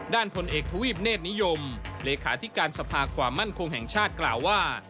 พลเอกทวีปเนธนิยมเลขาธิการสภาความมั่นคงแห่งชาติกล่าวว่า